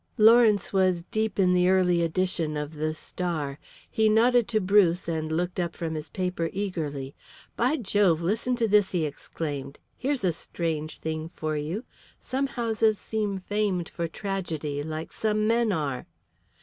Lawrence was deep in the early edition of "The Star." He nodded to Bruce and looked up from his paper eagerly. "By Jove, listen to this," he exclaimed. "Here's a strange thing for you. Some houses seem famed for tragedy, like some men are."